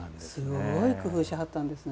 すごい工夫しはったんですね。